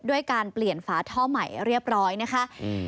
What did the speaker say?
การเปลี่ยนฝาท่อใหม่เรียบร้อยนะคะอืม